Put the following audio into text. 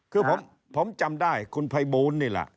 คือผมจำได้คุณภัยบูลนี่แหละ